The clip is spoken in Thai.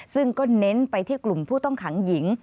ซึ่งก็เน้นไปที่กลุ่มผู้ต้องขังหญิง